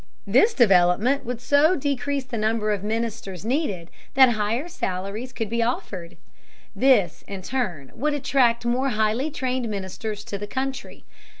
This development would so decrease the number of ministers needed that higher salaries could be offered. This, in turn, would attract more highly trained ministers to the country.